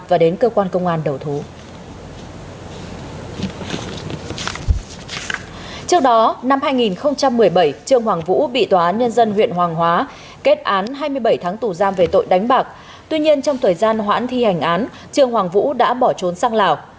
trước đó năm hai nghìn một mươi bảy trương hoàng vũ bị tòa án nhân dân huyện hoàng hóa kết án hai mươi bảy tháng tù giam về tội đánh bạc tuy nhiên trong thời gian hoãn thi hành án trương hoàng vũ đã bỏ trốn sang lào